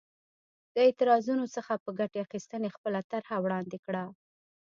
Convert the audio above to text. د اعتراضونو څخه په ګټې اخیستنې خپله طرحه وړاندې کړه.